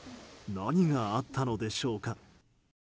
何があったのでしょうか。